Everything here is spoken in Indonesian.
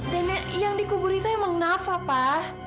dan yang dikubur itu emang nafa pak